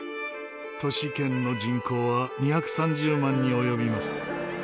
都市圏の人口は２３０万に及びます。